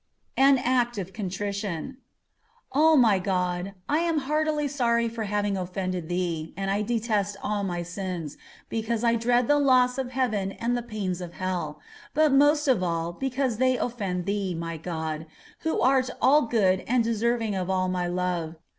AN ACT OF CONTRITION O my God! I am heartily sorry for having offended Thee, and I detest all my sins, because I dread the loss of heaven and the pains of hell, but most of all because they offend Thee, my God, who art all good and deserving of all my love.